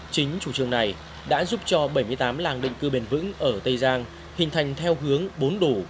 chính chủ trường này đã giúp cho bảy mươi tám làng định cư bền vững ở tây giang hình thành theo hướng bốn đủ